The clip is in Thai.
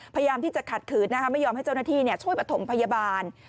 พยายามที่จะขัดขืนไม่ยอมให้เจ้าหน้าที่ช่วยประถมพยาบาล